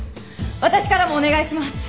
私からもお願いします！